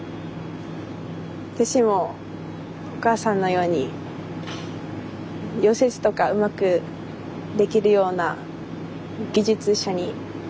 私もお母さんのように溶接とかうまくできるような技術者になりたいです。